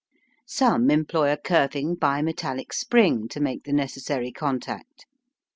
Some employ a curving bi metallic spring to make the necessary contact.